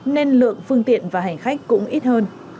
nên lượng phương tiện và hành khách cũng ít hơn